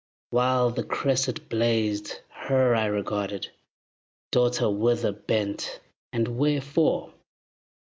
While the cresset blazed, Her I regarded. "Daughter, whither bent, And wherefore?"